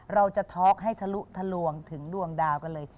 เราจะท็อกให้ทะลุทะลวงถึงดวงดาวกันเลย